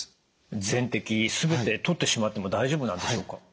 全摘全て取ってしまっても大丈夫なんでしょうか？